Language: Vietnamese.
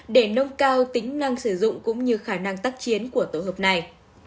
để nâng cao tính năng sử dụng cũng như khả năng tác chiến của tổ hợp này